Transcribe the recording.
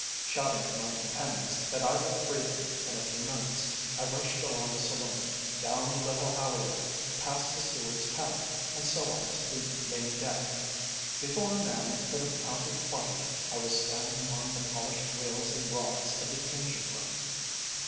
Shouting to my companions that I would free them in a few minutes, I rushed along the saloon, down the little alleyway, past the steward's cabin, and so on to the main deck. Before a man could have counted twenty I was standing among the polished wheels and rods of the engine room.